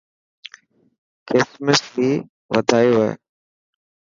ڪرسمرس ري وڌائي هوئي.